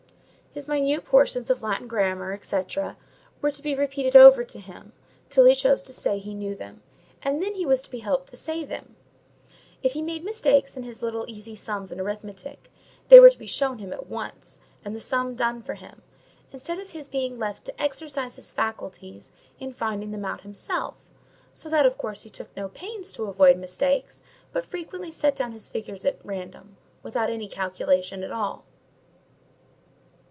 His minute portions of Latin grammar, &c., were to be repeated over to him, till he chose to say he knew them, and then he was to be helped to say them; if he made mistakes in his little easy sums in arithmetic, they were to be shown him at once, and the sum done for him, instead of his being left to exercise his faculties in finding them out himself; so that, of course, he took no pains to avoid mistakes, but frequently set down his figures at random, without any calculation at all.